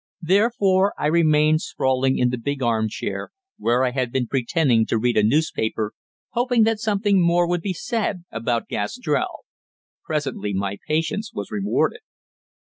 Therefore I remained sprawling in the big arm chair, where I had been pretending to read a newspaper, hoping that something more would be said about Gastrell. Presently my patience was rewarded.